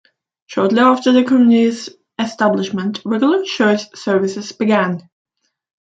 Shortly after the community's establishment, regular church services began.